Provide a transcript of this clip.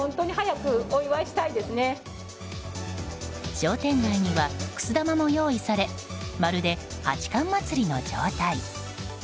商店街には、くす玉も用意されまるで八冠祭りの状態。